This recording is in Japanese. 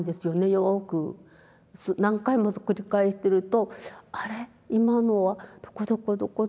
よく何回も繰り返してるとあれ今のはどこどこどこどこって言った。